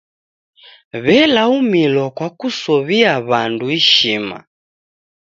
W'elaumilwa kwa kusow'ia w'andu ishima.